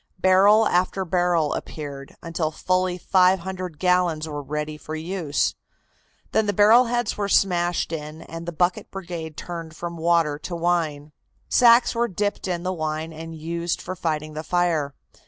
Barrel after barrel appeared, until fully five hundred gallons were ready for use. Then the barrel heads were smashed in and the bucket brigade turned from water to wine. Sacks were dipped in the wine and used for fighting the fire.